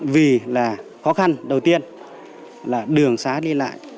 vì là khó khăn đầu tiên là đường xá đi lại